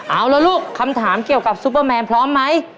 เอาละลูกคำถามเกี่ยวกับซุปเปอร์แมนพร้อมไหม